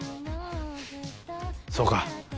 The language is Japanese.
そうか。